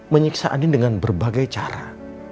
menyiksa andin dengan berbagai cara